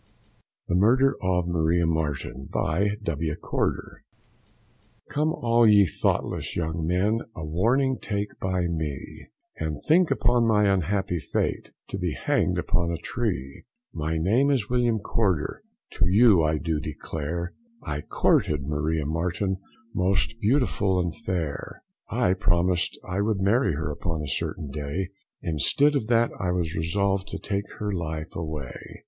The Murder of Maria Marten. BY W. CORDER. Come all you thoughtless young men, a warning take by me, And think upon my unhappy fate to be hanged upon a tree; My name is William Corder, to you I do declare, I courted Maria Marten, most beautiful and fair. I promised I would marry her upon a certain day, Instead of that, I was resolved to take her life away.